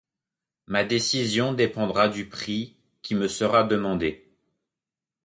Ma décision dépendra du prix qui me sera demandé.